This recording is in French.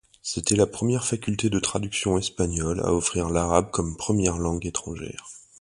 C'était la première faculté de traduction espagnole à offrir l'arabe comme première langue étrangère.